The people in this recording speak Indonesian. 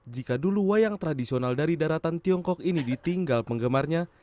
jika dulu wayang tradisional dari daratan tiongkok ini ditinggal penggemarnya